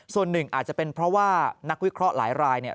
ส่วนหนึ่งอาจจะเป็นเพราะว่านักวิเคราะห์หลายรายเนี่ย